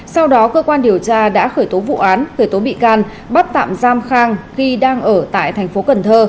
sau đó cơ quan điều tra đã khởi tố vụ án khởi tố bị can bắt tạm giam khang khi đang ở tại tp cn